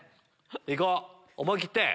いこう思い切って。